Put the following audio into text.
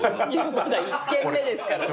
まだ１軒目ですからね。